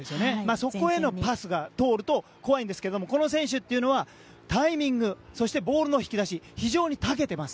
そこへのパスが通ると怖いんですがこの選手は、タイミングそしてボールの引き出しに非常に長けています。